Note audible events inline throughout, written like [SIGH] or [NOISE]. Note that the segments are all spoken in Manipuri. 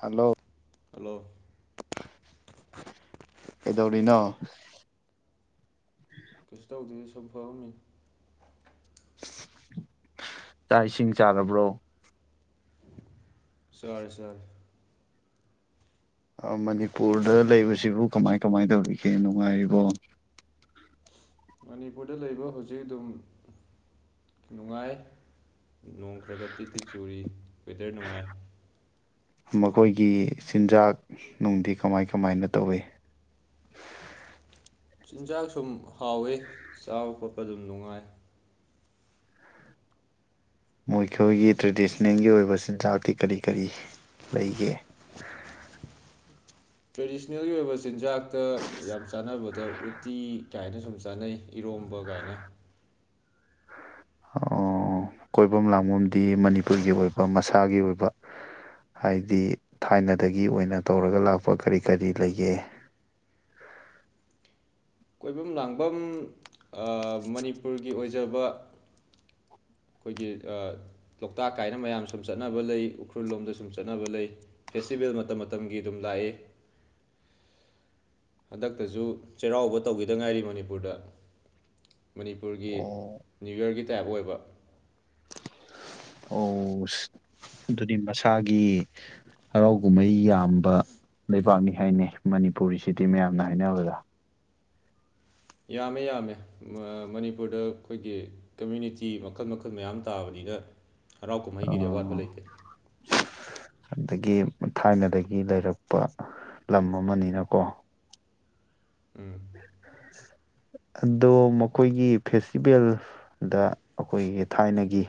ꯍꯜꯂꯣ ꯍꯜꯂꯣ ꯀꯩꯗꯧꯔꯤꯅꯣ ꯀꯩꯁꯨ ꯇꯧꯗꯦ ꯁꯨꯝ ꯐꯝꯃꯤꯅꯦ ꯆꯥꯛ ꯏꯁꯤꯡ ꯆꯥꯔꯕ꯭ꯔꯣ ꯆꯥꯔꯦ ꯆꯥꯔꯦ ꯃꯅꯤꯄꯨꯔꯗ ꯂꯩꯕꯁꯤꯕꯨ ꯀꯃꯥꯏ ꯀꯃꯥꯏ ꯇꯧꯔꯤꯒꯦ ꯅꯨꯡꯉꯥꯏꯔꯤꯕꯣ ꯃꯅꯤꯄꯨꯔꯗ ꯂꯩꯕ ꯍꯧꯖꯤꯛ ꯑꯗꯨꯝ ꯅꯨꯡꯉꯥꯡ ꯈꯔꯒꯇꯤꯠ ꯇꯤꯠ ꯆꯨꯔꯤ ꯋꯦꯗꯔ ꯅꯨꯡꯉꯥꯏ ꯃꯈꯣꯏꯒꯤ ꯆꯤꯟꯖꯥꯛ ꯅꯨꯡꯗꯤ ꯀꯃꯥꯏ ꯀꯃꯥꯏꯅ ꯇꯧꯋꯤ ꯆꯤꯟꯖꯥꯛ ꯁꯨꯝ ꯍꯥꯎꯋꯤ ꯆꯥꯕ ꯈꯣꯠꯄ ꯑꯗꯨꯝ ꯅꯨꯡꯉꯥꯏ ꯃꯈꯣꯏꯒꯤ ꯇ꯭ꯔꯦꯗꯤꯁꯟꯅꯜꯒꯤ ꯑꯣꯏꯕ ꯆꯤꯟꯖꯥꯛꯇꯤ ꯀꯔꯤ ꯀꯔꯤ ꯂꯩꯒꯦ ꯇ꯭ꯔꯦꯗꯤꯁꯅꯦꯜꯒꯤ ꯑꯣꯏꯕ ꯆꯤꯟꯖꯥꯛꯇ ꯌꯥꯝ ꯆꯥꯅꯕꯗ ꯎꯠꯇꯤ ꯀꯥꯏꯅ ꯁꯨꯝ ꯆꯥꯅꯩ ꯏꯔꯣꯝꯕ ꯀꯥꯏꯅ ꯑꯣ ꯀꯣꯏꯐꯝ ꯂꯥꯡꯐꯝꯗꯤ ꯃꯅꯤꯄꯨꯔꯒꯤ ꯑꯣꯏꯕ ꯃꯁꯥꯒꯤ ꯑꯣꯏꯕ ꯍꯥꯏꯗꯤ ꯊꯥꯏꯅꯗꯒꯤ ꯑꯣꯏꯅ ꯇꯧꯔꯒ ꯂꯥꯛꯄ ꯀꯔꯤ ꯀꯔꯤ ꯂꯩꯒꯦ ꯀꯣꯏꯐꯝ ꯂꯥꯡꯐꯝ ꯃꯅꯤꯄꯨꯔꯒꯤ ꯑꯣꯏꯖꯕ ꯑꯩꯈꯣꯏꯒꯤ ꯂꯣꯛꯇꯥꯛ ꯀꯥꯏꯅ ꯃꯌꯥꯝ ꯁꯨꯝ ꯆꯠꯅꯕ ꯂꯩ ꯎꯈ꯭ꯔꯨꯜ ꯂꯣꯝꯗ ꯁꯨꯝ ꯆꯠꯅꯕ ꯂꯩ ꯐꯦꯁꯇꯤꯚꯦꯜ ꯃꯇꯝ ꯃꯇꯝꯒꯤ ꯑꯗꯨꯝ ꯂꯥꯛꯏ꯫ ꯍꯟꯗꯛꯇꯁꯨ ꯆꯩꯔꯥꯎꯕ ꯇꯧꯈꯤꯗ ꯉꯥꯏꯔꯤ ꯃꯅꯤꯄꯨꯔꯗ ꯃꯅꯤꯄꯨꯔꯒꯤ ꯑꯣ ꯅ꯭ꯌꯨ ꯌꯔꯒꯤ꯫ ꯇꯥꯏꯕ ꯑꯣꯏꯕ ꯑꯣ ꯑꯗꯨꯗꯤ ꯃꯁꯥꯒꯤ ꯍꯔꯥꯎ ꯀꯨꯝꯍꯩ ꯌꯥꯝꯕ ꯂꯩꯕꯥꯛꯅꯤ ꯍꯥꯏꯅꯤ ꯃꯅꯤꯄꯨꯔꯤꯁꯤꯗꯤ ꯃꯌꯥꯝꯅ ꯍꯥꯏꯅꯕꯗ꯫ ꯌꯥꯝꯃꯦ ꯌꯥꯝꯃꯦ ꯃꯅꯤꯄꯨꯔꯗ ꯑꯩꯈꯣꯏꯒꯤ ꯀꯝꯃꯨꯅꯤꯇꯤ ꯃꯈꯜ ꯃꯈꯜ ꯃꯌꯥꯝ ꯇꯥꯕꯅꯤꯅ ꯍꯔꯥꯎ ꯀꯨꯝꯍꯩꯒꯤꯗꯤ ꯑꯋꯥꯠꯄ ꯂꯩꯇꯦ꯫ ꯑꯗꯒꯤ ꯊꯥꯏꯅꯗꯒꯤ ꯂꯩꯔꯛꯄ ꯂꯝ ꯑꯃꯅꯤꯅꯀꯣ ꯎꯝ ꯑꯗꯣ ꯃꯈꯣꯏꯒꯤ ꯐꯦꯁꯇꯤꯚꯦꯜꯗ ꯑꯩꯈꯣꯏꯒꯤ ꯊꯥꯏꯅꯒꯤ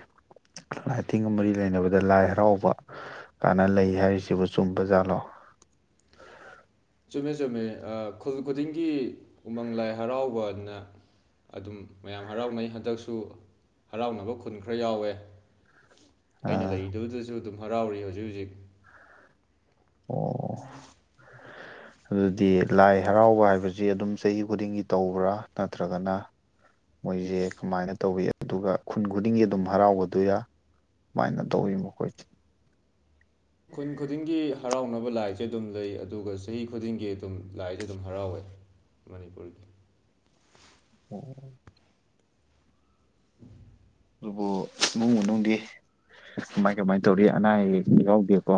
ꯂꯥꯏꯊꯤꯡꯒ ꯃꯔꯤ ꯂꯩꯅꯕꯗ ꯂꯥꯏ ꯍꯔꯥꯎꯕ ꯀꯥꯟꯅ ꯂꯩ ꯍꯥꯏꯔꯤꯁꯤꯕꯨ ꯆꯨꯝꯕ ꯖꯥꯠꯂꯣ꯫ ꯆꯨꯝꯃꯦ ꯆꯨꯝꯃꯦ ꯈꯨꯜ ꯈꯨꯗꯤꯡꯒꯤ ꯎꯃꯪ ꯂꯥꯏ ꯍꯔꯥꯎꯕꯅ ꯑꯗꯨꯝ ꯃꯌꯥꯝ ꯍꯔꯥꯎꯅꯩ ꯍꯟꯗꯛꯁꯨ ꯍꯔꯥꯎꯅꯕ ꯈꯨꯟ ꯈꯔ ꯌꯥꯎꯋꯦ ꯑꯩꯅ ꯑꯥ ꯂꯩꯗꯕꯗꯨꯁꯨ ꯑꯗꯨꯝ ꯍꯔꯥꯎꯔꯤ ꯍꯧꯖꯤꯛ ꯍꯧꯖꯤꯛ ꯑꯣ ꯑꯗꯨꯗꯤ ꯂꯥꯏ ꯍꯔꯥꯎꯕ ꯍꯥꯏꯕꯁꯤ ꯑꯗꯨꯝ ꯆꯍꯤ ꯈꯨꯗꯤꯡꯒꯤ ꯇꯧꯕ꯭ꯔꯥ ꯅꯠꯇ꯭ꯔꯒꯅ ꯃꯣꯏꯁꯦ ꯀꯃꯥꯏꯅ ꯇꯧꯏ ꯑꯗꯨꯒ ꯈꯨꯟ ꯈꯨꯗꯤꯡꯒꯤ ꯑꯗꯨꯝ ꯍꯔꯥꯎꯒꯗꯣꯏꯔ ꯀꯃꯥꯏꯅ ꯇꯧꯋꯤ ꯃꯈꯣꯏꯁꯦ ꯈꯨꯟ ꯈꯨꯗꯤꯡꯒꯤ ꯍꯔꯥꯎ ꯇꯣꯛꯅꯕ ꯂꯥꯏꯁꯦ ꯑꯗꯨꯝ ꯂꯩ ꯑꯗꯨꯒ ꯆꯍꯤ ꯈꯨꯗꯤꯡꯒꯤ ꯑꯗꯨꯝ ꯂꯥꯏꯁꯦ ꯑꯗꯨꯝ ꯍꯔꯥꯎꯋꯦ ꯃꯅꯤꯄꯨꯔꯒꯤ ꯑꯣ [INAUDIBLE] ꯑꯗꯨꯕꯨ ꯏꯃꯨꯡ ꯃꯅꯨꯡꯗꯤ ꯀꯃꯥꯏ ꯀꯃꯥꯏ ꯇꯧꯔꯤ ꯑꯅꯥ ꯑꯌꯦꯛ ꯌꯥꯎꯗꯦꯀꯣ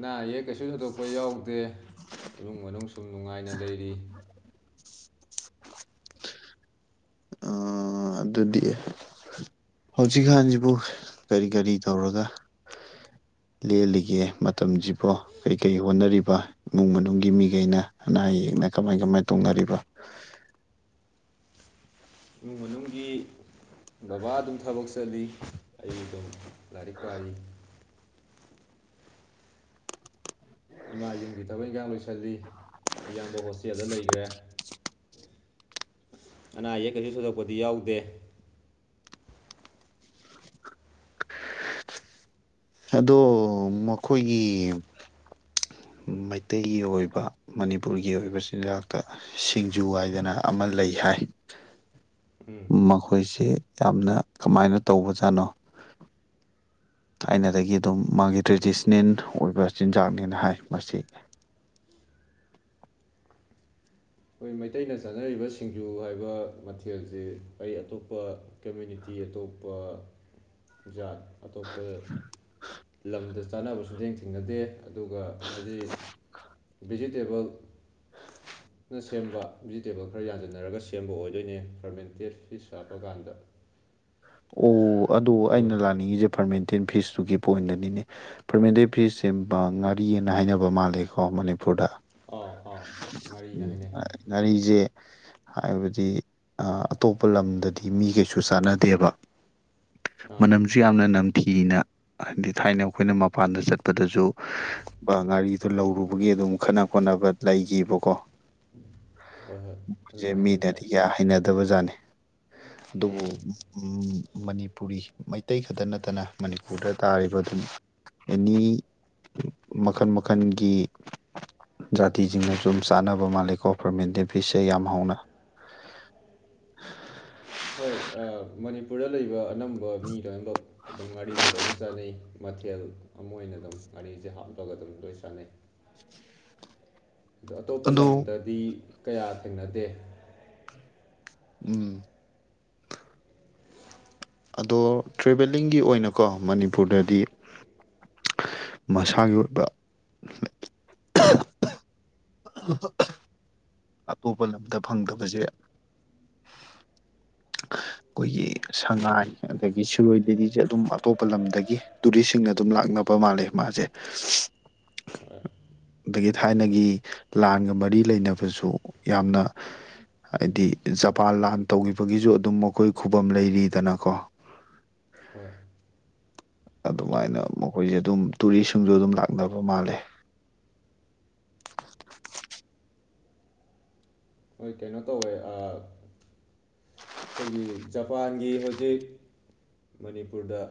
ꯅꯥ ꯌꯦ ꯀꯩꯁꯨ ꯍꯟꯗꯣꯛꯄ ꯌꯥꯎꯗꯦ ꯏꯃꯨꯡ ꯃꯅꯨꯡ ꯁꯨꯝ ꯅꯨꯡꯉꯥꯏꯅ ꯂꯩꯔꯤ ꯑꯥ ꯑꯗꯨꯗꯤ ꯍꯧꯖꯤꯛꯀꯥꯟꯁꯤꯕꯨ ꯀꯔꯤ ꯀꯔꯤ ꯇꯧꯔꯒ ꯂꯦꯜꯂꯤꯒꯦ ꯃꯇꯝꯁꯤꯕꯨ ꯀꯩꯀꯩ ꯍꯣꯠꯅꯔꯤꯕ ꯏꯃꯨꯡ ꯃꯅꯨꯡꯒꯤ ꯃꯤꯈꯩꯅ ꯑꯅꯥ ꯑꯌꯦꯛꯅ ꯀꯃꯥꯏ ꯀꯃꯥꯏ ꯇꯧꯅꯔꯤꯕ ꯏꯃꯨꯡ ꯃꯅꯨꯡꯒꯤ ꯕꯕꯥ ꯑꯗꯨꯝ ꯊꯕꯛ ꯆꯠꯂꯤ ꯑꯌꯨꯗ ꯂꯥꯏꯔꯤꯛ ꯄꯥꯔꯤ ꯏꯃꯥ ꯌꯨꯝꯒꯤ ꯊꯕꯛ ꯏꯪꯈꯥꯡ ꯂꯣꯏꯁꯤꯜꯂꯤ ꯏꯌꯥꯝꯕ ꯍꯣꯁꯇꯦꯜꯗ ꯂꯩꯈ꯭ꯔꯦ ꯑꯅꯥ ꯑꯌꯦꯛ ꯀꯩꯁꯨ ꯁꯣꯏꯗꯣꯛꯄꯗꯤ ꯌꯥꯎꯗꯦ ꯑꯗꯣ ꯃꯈꯣꯏꯒꯤ ꯃꯩꯇꯩꯒꯤ ꯑꯣꯏꯕ ꯃꯅꯤꯄꯨꯔꯒꯤ ꯑꯣꯏꯕ ꯆꯤꯟꯖꯥꯛꯇ ꯁꯤꯡꯖꯨ ꯍꯥꯏꯗꯅ ꯑꯃ ꯂꯩ ꯍꯥꯏ ꯎꯝ ꯃꯈꯣꯏꯁꯤ ꯌꯥꯝꯅ ꯀꯃꯥꯏꯅ ꯇꯧꯕꯖꯥꯠꯅꯣ ꯑꯩꯅꯗꯒꯤ ꯑꯗꯨꯝ ꯃꯥꯒꯤ ꯇ꯭ꯔꯦꯗꯤꯁꯟꯅꯦꯟ ꯑꯣꯏꯕ ꯆꯤꯟꯖꯥꯛꯅꯦꯅ ꯍꯥꯏ ꯃꯁꯤ ꯑꯩꯈꯣꯏ ꯃꯩꯇꯩꯅ ꯆꯥꯅꯔꯤꯕ ꯁꯤꯡꯖꯨ ꯍꯥꯏꯕ ꯃꯊꯦꯜꯁꯤ ꯑꯩ ꯑꯇꯣꯞꯄ ꯀꯃ꯭ꯌꯨꯅꯤꯇꯤ ꯑꯇꯣꯞꯄ ꯖꯥꯠ ꯑꯇꯣꯞꯄ ꯂꯝꯗ ꯆꯥꯅꯕꯁꯨ ꯊꯦꯡ ꯊꯦꯡꯅꯗꯦ ꯑꯗꯨꯒ ꯃꯁꯤ ꯚꯤꯖꯤꯇꯦꯕꯜ ꯁꯦꯝꯕ ꯚꯤꯖꯤꯇꯦꯕꯜ ꯈꯔ ꯌꯥꯟꯖꯟꯅꯔꯒ ꯁꯦꯝꯕ ꯑꯣꯏꯗꯣꯏꯅꯦ ꯐꯔꯃꯦꯟꯇꯦꯠ ꯐꯤꯁ ꯍꯥꯞꯄ ꯀꯥꯟꯗ ꯑꯣ ꯑꯗꯨꯗꯣ ꯑꯩꯅ ꯂꯥꯛꯅꯤꯡꯉꯤꯁꯦ ꯐꯔꯃꯦꯟꯇꯦꯟ ꯐꯤꯁ ꯑꯗꯨꯨꯒꯤ ꯄꯣꯏꯟꯗꯅꯤꯅꯤ ꯄꯔꯃꯇꯔꯤ ꯐꯤꯁ ꯁꯦꯝ ꯉꯥꯔꯤꯑꯅ ꯍꯥꯏꯅꯕ ꯃꯥꯜꯜꯂꯤꯦꯀꯣꯅꯤ ꯃꯄꯨꯔꯗ ꯑꯥꯎ ꯑꯥꯎ ꯎ ꯉꯥꯔꯤꯅ ꯍꯥꯏꯅꯩ ꯉꯔꯤꯁꯦ ꯍꯥꯏꯕꯗꯤ ꯑꯇꯣꯞꯄ ꯂꯝꯗꯗꯤ ꯃꯤ ꯀꯩꯁꯨ ꯆꯥꯟꯅꯗꯦꯕ ꯑꯥ ꯃꯅꯝꯁꯨ ꯌꯥꯝꯅ ꯅꯝꯊ ꯊꯤꯅ ꯍꯥꯏꯗꯤ ꯊꯥꯏꯅ ꯑꯩꯈꯣꯏꯅ ꯃꯄꯥꯟꯗ ꯆꯠꯄꯗꯁꯨ ꯉꯥꯔꯤꯗꯨꯣ ꯂꯧꯔꯨꯕꯒꯤ ꯑꯗꯨꯝ ꯈꯠꯅ ꯈꯣꯠꯅꯕ ꯂꯩꯈꯤꯕꯀꯣ ꯍꯣꯏ ꯍꯣꯏ ꯃꯣꯏꯁꯦ ꯑꯗꯨꯃꯥꯏꯅ ꯁꯨꯝ ꯃꯤꯅꯗꯤ ꯇꯥꯏ ꯀꯌꯥ ꯍꯩꯅꯗꯕꯖꯥꯠꯅꯤ ꯑꯗꯨꯕꯨ ꯎꯝ ꯃꯅꯤꯄꯨꯔꯤ ꯃꯩꯇꯩ ꯈꯛꯇ ꯅꯠꯇꯅ ꯃꯅꯤꯄꯨꯔꯗ ꯇꯥꯔꯤꯕ ꯑꯗꯨꯝ ꯑꯦꯅꯤ ꯃꯈꯜ ꯃꯈꯜꯒꯤ ꯖꯥꯇꯤꯁꯤꯡꯅꯁꯨ ꯑꯗꯨꯝ ꯆꯥꯅꯕ ꯃꯥꯜꯂꯦꯀꯣ ꯄꯔꯃꯦꯟ ꯗꯦꯐꯤꯁꯁꯦ ꯌꯥꯝ ꯍꯥꯎꯅ ꯍꯣꯏ ꯃꯅꯤꯄꯨꯔꯗ ꯂꯩꯕ ꯑꯅꯝꯕ ꯃꯤ ꯂꯣꯏꯅꯃꯛ ꯑꯗꯨꯝ ꯒꯥꯔꯤꯁꯦ ꯂꯣꯏꯅ ꯆꯥꯅꯩ ꯃꯊꯦꯜ ꯑꯃ ꯑꯣꯏꯅ ꯑꯗꯨꯝ ꯉꯒꯥꯔꯤꯁꯦ ꯍꯥꯞꯂꯒ ꯑꯗꯨꯝ ꯂꯣꯏ ꯁꯥꯟꯅꯩ ꯑꯗꯣ ꯑꯇꯣꯞꯄ ꯑꯗꯣ ꯂꯝꯗꯗꯤ ꯀꯌꯥ ꯊꯦꯡꯅꯗꯦ ꯎꯝ ꯑꯗꯣ ꯇ꯭ꯔꯦꯚꯦꯜꯂꯤꯡꯒꯤ ꯑꯣꯏꯅꯀꯣ ꯃꯅꯤꯄꯨꯔꯗꯗꯤ ꯃꯁꯥꯒꯤ ꯑꯣꯏꯕ ꯑꯇꯣꯞꯄ ꯂꯝꯗ ꯐꯪꯗꯕꯁꯦ ꯑꯩꯈꯣꯏꯒꯤ ꯁꯉꯥꯏ ꯑꯗꯒꯤ ꯁꯤꯔꯣꯏ ꯗꯦꯜꯂꯤꯁꯦ ꯑꯗꯨꯝ ꯑꯇꯣꯞꯄ ꯂꯝꯗꯒꯤ ꯇꯨꯔꯤꯁꯁꯤꯡꯅ ꯑꯗꯨꯝ ꯂꯥꯛꯅꯕ ꯃꯥꯜꯂꯦ ꯃꯥꯁꯦ ꯍꯣꯏ ꯑꯗꯒꯤ ꯊꯥꯏꯅꯒꯤ ꯂꯥꯟꯒ ꯃꯔꯤ ꯂꯩꯅꯕꯁꯨ ꯌꯥꯝꯅ ꯍꯥꯏꯗꯤ ꯖꯄꯥꯟ ꯂꯥꯟ ꯇꯧꯈꯤꯕꯒꯤꯁꯨ ꯑꯗꯨꯝ ꯃꯈꯣꯏ ꯈꯨꯕꯝ ꯂꯩꯔꯤꯗꯅꯀꯣ ꯍꯣꯏ ꯑꯗꯨꯃꯥꯏꯅ ꯃꯈꯣꯏꯁꯦ ꯑꯗꯨꯝ ꯇꯨꯔꯤꯁꯁꯤꯡꯁꯨ ꯑꯗꯨꯝ ꯂꯥꯛꯅꯕ ꯃꯥꯜꯂꯦ ꯍꯣꯏ ꯀꯩꯅꯣ ꯇꯧꯋꯦ ꯑꯩꯈꯣꯏꯒꯤ ꯖꯄꯥꯟꯒꯤ ꯍꯧꯖꯤꯛ ꯃꯅꯤꯄꯨꯔꯗ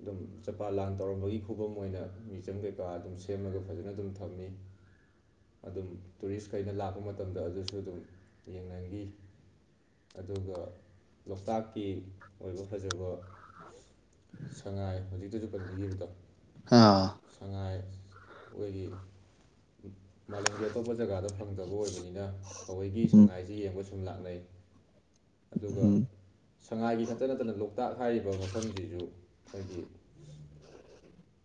ꯑꯗꯨꯝ ꯖꯄꯥꯟ ꯂꯥꯟ ꯇꯧꯔꯝꯕꯒꯤ ꯈꯨꯕꯝ ꯑꯣꯏꯅ ꯃ꯭ꯌꯨꯖꯝ ꯀꯩꯀꯥ ꯑꯗꯨꯝ ꯁꯦꯝꯃꯒ ꯐꯖꯅ ꯑꯗꯨꯝ ꯊꯝꯃꯤ ꯑꯗꯨꯝ ꯇꯨꯔꯤꯁꯈꯩꯅ ꯂꯥꯛꯄ ꯃꯇꯝꯗ ꯑꯗꯨꯁꯨ ꯑꯗꯨꯝ ꯌꯦꯡꯅꯈꯤ ꯑꯗꯨꯒ ꯂꯣꯛꯇꯥꯛꯀꯤ ꯑꯣꯏꯕ ꯐꯖꯕ ꯁꯉꯥꯏ ꯍꯧꯖꯤꯛꯇꯁꯨ ꯄꯟꯕꯤꯈꯤꯕꯗꯣ ꯑꯥ ꯁꯉꯥꯏ ꯑꯩꯈꯣꯏꯒꯤ ꯃꯥꯂꯦꯝꯒꯤ ꯑꯇꯣꯞꯄ ꯖꯒꯥꯗ ꯐꯪꯗꯕ ꯑꯣꯏꯕꯅꯤꯅ ꯊꯑꯣꯣꯏꯒꯤ ꯎꯝ ꯁꯉꯥꯏꯁꯤ ꯌꯦꯡꯕ ꯁꯨꯝ ꯂꯥꯛꯅꯩ ꯑꯗꯨꯒ ꯎꯝ ꯁꯉꯥꯏꯒꯤ ꯈꯛꯇ ꯅꯠꯇꯅ ꯂꯣꯛꯇꯥꯛ ꯍꯥꯏꯔꯤꯕ ꯃꯐꯝꯁꯤꯁꯨ ꯑꯩꯈꯣꯏꯒꯤ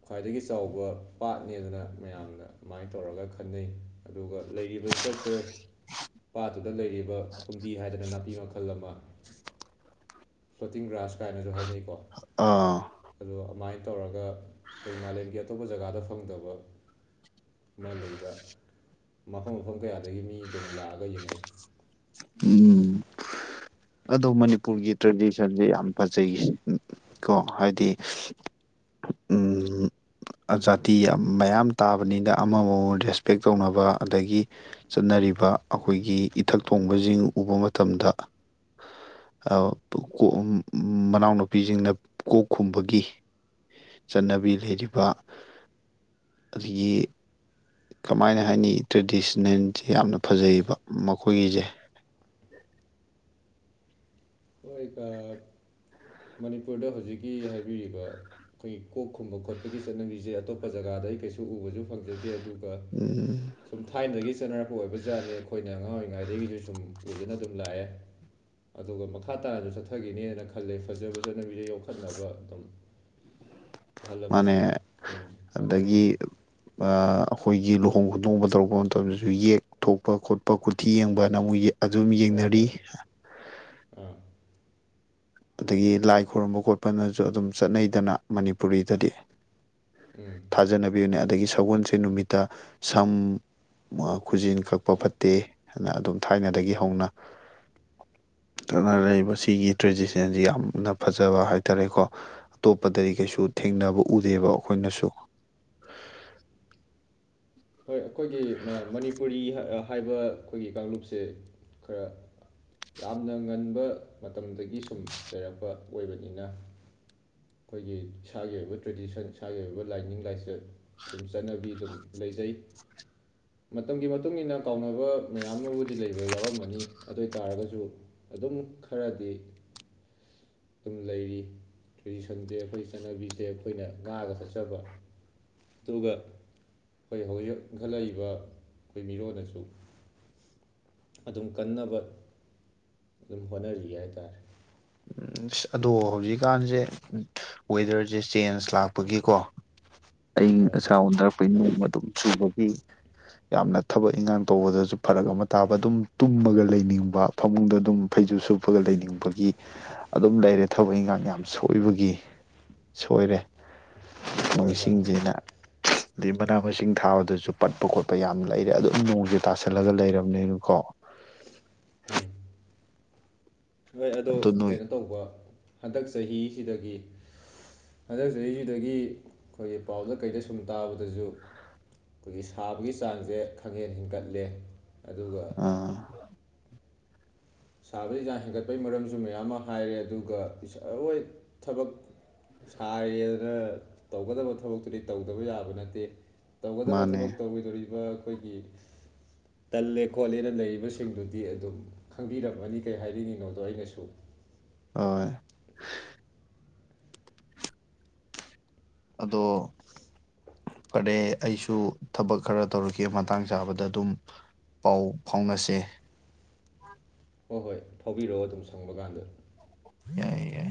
ꯈ꯭ꯋꯥꯏꯗꯒꯤ ꯆꯥꯎꯕ ꯄꯥꯠꯅꯦꯗꯅ ꯃꯌꯥꯝꯅ ꯑꯗꯨꯃꯥꯏꯅ ꯇꯧꯔꯒ ꯈꯟꯅꯩ ꯑꯗꯨꯒ ꯂꯩꯔꯤꯕ ꯏꯁꯇ꯭ꯔꯛꯆꯔ ꯄꯥꯠꯇꯨꯗ ꯂꯩꯔꯤꯕ ꯐꯨꯝꯗꯤ ꯍꯥꯏꯗꯅ ꯅꯥꯄꯤ ꯃꯈꯜ ꯑꯃ ꯐ꯭ꯂꯣꯇꯤꯡ ꯒ꯭ꯔꯥꯁ ꯀꯥꯏꯅꯁꯨ ꯍꯥꯏꯅꯩꯀꯣ ꯑꯥ ꯑꯗꯣ ꯑꯗꯨꯃꯥꯏꯅ ꯇꯧꯔꯒ ꯑꯩꯈꯣꯏ ꯃꯥꯂꯦꯝꯒꯤ ꯑꯇꯣꯞꯄ ꯖꯒꯥꯗ ꯐꯪꯗꯕ ꯑꯃ ꯂꯩꯕ ꯃꯐꯝ ꯃꯐꯝ ꯀꯌꯥꯗꯒꯤ ꯃꯤ ꯑꯗꯨꯝ ꯂꯥꯛꯑꯒ ꯌꯦꯡꯅꯩ ꯎꯝ ꯑꯗꯣ ꯃꯅꯤꯄꯨꯔꯒꯤ ꯇ꯭ꯔꯦꯗꯤꯁꯟꯁꯦ ꯌꯥꯝ ꯐꯖꯩ ꯀꯣ ꯍꯥꯏꯗꯤ ꯎꯝ ꯖꯥꯇꯤ ꯃꯌꯥꯝ ꯇꯥꯕꯅꯤꯅ ꯑꯃ ꯑꯃꯃꯝ ꯔꯦꯁꯄꯦꯛ ꯇꯧꯅꯕ ꯑꯗꯒꯤ ꯆꯠꯅꯔꯤꯕ ꯑꯩꯈꯣꯏꯒꯤ ꯏꯊꯛ ꯊꯣꯡꯕꯁꯤꯡ ꯎꯕ ꯃꯇꯝꯗ ꯃꯅꯥꯎꯅꯨꯄꯤꯁꯤꯡꯅ ꯀꯣꯛ ꯈꯨꯝꯕꯒꯤ ꯆꯠꯅꯕꯤ ꯂꯩꯔꯤꯕ ꯑꯗꯒꯤ ꯀꯃꯥꯏꯅ ꯍꯥꯏꯅꯤ ꯇ꯭ꯔꯦꯗꯤꯁꯟꯅꯦꯟꯁꯦ ꯌꯥꯝꯅ ꯐꯖꯩꯕ ꯃꯈꯣꯏꯒꯤꯁꯦ ꯍꯀ ꯃꯅꯤꯄꯨꯔꯗ ꯍꯧꯖꯤꯛ ꯍꯧꯖꯤꯛꯀꯤ ꯍꯥꯏꯕꯤꯔꯤꯕ ꯑꯩꯈꯣꯏ ꯀꯣꯛ ꯈꯨꯝꯕ ꯈꯣꯠꯄꯒꯤ ꯆꯠꯅꯕꯤꯁꯦ ꯑꯇꯣꯞꯄ ꯖꯒꯥꯗ ꯑꯩ ꯀꯩꯁꯨ ꯎꯕꯁꯨ ꯐꯪꯖꯗꯦ ꯑꯗꯨ ꯑꯗꯨꯒ ꯎꯝ ꯁꯨꯝ ꯊꯥꯏꯅꯗꯒꯤ ꯆꯠꯅꯔꯛꯄ ꯑꯣꯏꯕꯖꯥꯠꯅꯤ ꯑꯩꯈꯣꯏꯅ ꯑꯉꯥꯡ ꯑꯣꯏꯔꯤꯉꯩꯗꯒꯤꯁꯨ ꯁꯨꯝ ꯎꯖꯅ ꯑꯗꯨꯝ ꯂꯥꯛꯑꯦ ꯑꯗꯨꯒ ꯃꯈꯥ ꯇꯥꯔꯁꯨ ꯆꯠꯊꯈꯤꯅꯦꯅ ꯈꯜꯂꯦ ꯐꯖꯕ ꯆꯠꯅꯕꯤꯁꯦ ꯌꯣꯛꯈꯠꯅꯕ ꯑꯗꯨꯝ ꯑꯍꯜ ꯂꯃꯟ ꯃꯥꯅꯦ ꯁꯨꯝ ꯍꯣꯠꯅꯔꯤ ꯑꯗꯒꯤ ꯑꯩꯈꯣꯏꯒꯤ ꯊꯣꯡ ꯈꯣꯡꯗꯣꯡꯕ ꯇꯧꯔꯛꯄ ꯃꯇꯝꯗꯁꯨ ꯌꯦꯛ ꯊꯣꯛꯄ ꯈꯣꯠꯄ ꯈꯨꯣꯊꯤ ꯌꯦꯡꯕ ꯍꯥꯏꯅ ꯑꯃꯨꯛ ꯑꯗꯨꯝ ꯍꯣꯏ ꯌꯦꯡꯅꯔꯤ ꯍꯣꯏ ꯑꯥ ꯑꯗꯒꯤ ꯂꯥꯏ ꯈꯨꯔꯨꯝꯕ ꯈꯣꯠꯄꯅꯁꯨ ꯑꯗꯨꯝ ꯆꯠꯅꯩꯗꯅ ꯃꯅꯤꯄꯨꯔꯤꯗꯗꯤ ꯎꯝ ꯊꯥꯖꯅꯕꯤꯌꯨꯅꯦ ꯑꯗꯒꯤ ꯁꯒꯣꯜꯁꯦ ꯅꯨꯃꯤꯠꯇ ꯁꯝ ꯈꯨꯖꯤꯟ ꯀꯛꯄ ꯐꯠꯇꯦ ꯍꯥꯏꯅ ꯑꯗꯨꯝ ꯊꯥꯏꯅꯗꯒꯤ ꯍꯧꯅ ꯆꯠꯅ ꯂꯩꯏꯕ ꯁꯤꯒꯤ ꯇ꯭ꯔꯦꯗꯤꯁꯟ ꯁ ꯌꯥꯝꯅ ꯐꯖꯕ ꯍꯥꯏꯇꯥꯥꯔꯦꯀꯣ ꯑꯇꯣꯞꯄꯗꯗꯤ ꯀꯩꯁꯨ ꯊꯦꯡꯅꯕ ꯎꯗꯦꯕ ꯑꯩꯈꯣꯏꯅꯁꯨ ꯍꯣꯏ ꯑꯩꯈꯣꯏꯒꯤ ꯃꯅꯤꯄꯨꯔꯤ ꯍꯥꯏꯕ ꯑꯩꯈꯣꯏꯒꯤ ꯀꯥꯡꯂꯨꯞꯁꯦ ꯈꯔ ꯌꯥꯝꯅ ꯉꯟꯕ ꯃꯇꯝꯗꯒꯤ ꯁꯨꯝ ꯂꯩꯔꯛꯄ ꯑꯣꯏꯕꯅꯤꯅ ꯑꯩꯈꯣꯏꯒꯤ ꯏꯁꯥꯒꯤ ꯑꯣꯏꯕ ꯇ꯭ꯔꯦꯗꯤꯁꯟ ꯏꯁꯥꯒꯤ ꯑꯣꯏꯕ ꯂꯥꯏꯅꯤꯡ ꯂꯥꯏꯆꯠ ꯑꯗꯨꯝ ꯆꯠꯅꯕꯤ ꯑꯗꯨꯝ ꯂꯩꯖꯩ ꯃꯇꯝꯒꯤ ꯃꯇꯨꯡ ꯃꯇꯨꯡꯏꯟꯅ ꯀꯥꯎꯅꯕ ꯃꯌꯥꯝ ꯑꯃꯕꯨꯗꯤ ꯂꯩꯕ ꯌꯥꯎꯔꯝꯃꯅꯤ ꯑꯗꯨ ꯑꯣꯏ ꯇꯥꯔꯒꯁꯨ ꯑꯗꯨꯝ ꯈꯔꯗꯤ ꯑꯗꯨꯝ ꯂꯩꯔꯤ ꯇ꯭ꯔꯦꯗꯤꯁꯟꯁꯦ ꯑꯩꯈꯣꯏꯒꯤ ꯆꯠꯅꯕꯤꯁꯦ ꯑꯩꯈꯣꯏꯅ ꯉꯥꯒ ꯊꯠꯆꯕ ꯑꯗꯨꯒ ꯑꯩꯈꯣꯏ ꯍꯧꯖꯤꯛ ꯏꯟꯈꯠꯂꯛꯏꯕ ꯑꯩꯈꯣꯏ ꯃꯤꯔꯣꯟꯜꯅꯁꯨ ꯑꯗꯨꯝ ꯀꯟꯅꯕ ꯑꯗꯨꯝ ꯍꯣꯠꯅꯔꯤ ꯍꯥꯏꯇꯥꯥꯔꯦ ꯑꯗꯣ ꯍꯧꯖꯤꯛꯀꯥꯟꯁꯦ ꯋꯦꯗꯔꯁꯦ ꯆꯦꯟꯖ ꯂꯥꯛꯄꯒꯤꯀꯣ ꯑꯏꯪ ꯍꯣꯏ ꯑꯁꯥ ꯑꯣꯟꯊꯔꯛꯄ ꯏ ꯅꯣꯡꯃ ꯑꯗꯨꯝ ꯆꯨꯕ ꯌꯥꯝꯅ ꯊꯕꯛ ꯏꯟꯈꯥꯡ ꯇꯧꯕꯗꯁꯨ ꯐꯔꯛ ꯑꯃ ꯇꯥꯕ ꯑꯗꯨꯝ ꯇꯨꯝꯃꯒ ꯂꯩꯅꯤꯡꯕ ꯐꯃꯨꯡꯗ ꯑꯗꯨꯝ ꯐꯩꯖꯁꯨ ꯁꯨꯞꯄꯒ ꯂꯩꯅꯤꯡꯕꯒꯤ ꯑꯗꯨꯝ ꯂꯩꯔꯦ ꯊꯕꯛ ꯏꯟꯈꯥꯡ ꯌꯥꯝ ꯁꯣꯏꯕꯒꯤ ꯁꯣꯏꯔꯦ ꯍꯣꯏ ꯍꯣꯏ ꯃꯁꯤꯡꯁꯤꯅ ꯑꯗꯩ ꯃꯅꯥ ꯃꯁꯤꯡ ꯊꯥꯕꯗꯁꯨ ꯄꯠꯄ ꯈꯣꯠꯄ ꯌꯥꯝ ꯂꯩꯔꯦ ꯑꯗꯨꯝ ꯅꯣꯡꯁꯦ ꯇꯥꯁꯜꯂꯒ ꯂꯩꯔꯕꯅꯤꯅꯀꯣ ꯎꯝ ꯍꯣꯏ ꯑꯣ ꯑꯗꯨ ꯅꯣꯏ ꯀꯩꯅꯣ ꯇꯧꯕ ꯍꯟꯗꯛ ꯆꯍꯤꯁꯤꯗꯒꯤ ꯍꯟꯗꯛ ꯆꯍꯤꯁꯤꯗꯒꯤ ꯑꯩꯈꯣꯏꯒꯤ ꯄꯥꯎꯗꯔ ꯀꯩꯗ ꯁꯨꯝ ꯇꯥꯕꯗꯁꯨ ꯑꯩꯈꯣꯏꯒꯤ ꯁꯥꯕꯒꯤ ꯆꯥꯡꯁꯦ ꯈꯪꯍꯦꯟ ꯍꯦꯟꯒꯠꯂꯦ ꯑꯗꯨꯒ ꯑꯥ ꯁꯥꯕꯗ ꯍꯖꯥꯡ ꯍꯦꯟꯒꯠꯄꯒꯤ ꯃꯔꯝꯁꯨ ꯃꯌꯥꯝ ꯑꯃ ꯍꯥꯏꯔꯦ ꯑꯗꯨꯒꯣꯏ ꯊꯕꯛ ꯁ ꯌꯦ ꯑꯗꯨꯅ ꯇꯧꯒꯗꯕ ꯊꯕꯛꯇꯨꯗꯤ ꯇꯧꯗꯕ ꯌꯥꯕ ꯅꯠꯇꯦ ꯇꯧꯒꯗꯕ ꯃꯥꯅꯦ ꯊꯕꯛ ꯇꯧꯒꯗꯣꯔꯤꯕ ꯑꯩꯈꯣꯏꯒꯤ ꯇꯜꯂꯦ ꯈꯣꯠꯂꯦꯅ ꯂꯩꯔꯤꯕꯁꯤꯡꯗꯨꯗꯤ ꯑꯗꯨꯝ ꯈꯪꯕꯤꯔꯝꯃꯅꯤ ꯀꯩ ꯍꯥꯏꯔꯤꯉꯤꯅꯣꯗꯣ ꯑꯩꯅꯁꯨ ꯍꯣꯏ ꯑꯗꯣ ꯐꯔꯦ ꯑꯩꯁꯨ ꯊꯕꯛ ꯈꯔ ꯇꯧꯔꯛꯀꯦ ꯃꯇꯥꯡ ꯆꯥꯕꯗ ꯑꯗꯨꯝ ꯄꯥꯎ ꯐꯥꯎꯅꯁꯦ ꯍꯣꯏ ꯍꯣꯏ ꯐꯥꯎꯕꯤꯔꯛꯑꯣ ꯑꯗꯨꯝ ꯁꯪꯕ ꯀꯥꯟꯗ ꯍ ꯌꯥꯏꯌꯦ ꯌꯥꯏ ꯍ